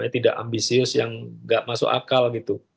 tidak ambisius yang gak masuk akal gitu